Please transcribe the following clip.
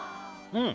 うん！